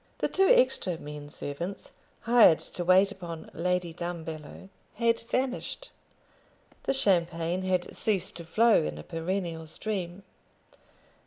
The two extra men servants, hired to wait upon Lady Dumbello, had vanished. The champagne had ceased to flow in a perennial stream.